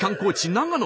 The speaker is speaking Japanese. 長野。